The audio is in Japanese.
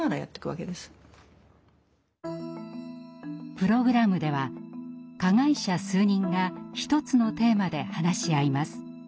プログラムでは加害者数人が１つのテーマで話し合います。